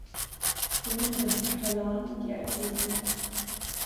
Ich bewundere die Katalanen und die Algerier.